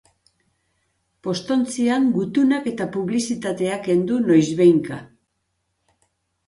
Postontzian gutunak eta publizitatea kendu noizbehinka.